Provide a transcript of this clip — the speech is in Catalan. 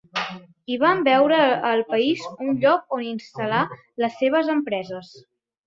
I van veure al país un lloc on instal·lar les seves empreses.